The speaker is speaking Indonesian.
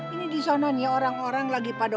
ini disana nih orang orang lagi pada